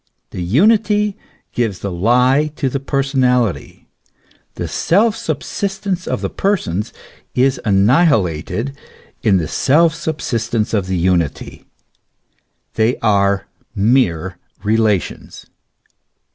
The unity gives the lie to the person ality ; the self subsistence of the persons is annihilated in the self subsistence of the unity, they are mere relations.